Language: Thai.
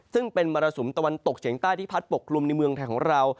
ซึ่งเป็นมรสุมตะวันตกเฉียงใต้ที่พัดปกกลุ่มในเมืองไทยของเรา